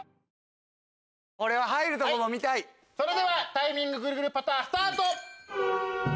タイミングぐるぐるパタースタート！